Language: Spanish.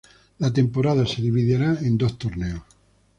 La temporada se dividirá en dos torneos.